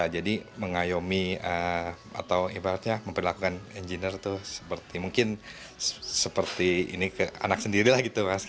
jadi mengayomi atau ibaratnya memperlakukan engineer itu seperti mungkin seperti ini ke anak sendiri lah gitu mas